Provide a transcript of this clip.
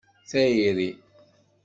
Tayri.